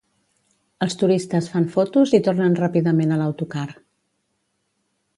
Els turistes fan fotos i tornen ràpidament a l'autocar.